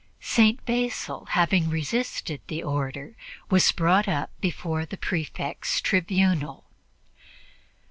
St. Basil, having resisted the order, was brought up before the Prefect's tribunal.